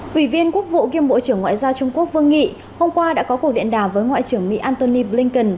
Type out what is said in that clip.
quỷ viên quốc vụ kiêm bộ trưởng ngoại giao trung quốc vương nghị hôm qua đã có cuộc điện đàm với ngoại trưởng mỹ antony blinken